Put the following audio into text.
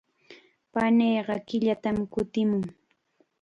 Paniiqa killatam kutimun.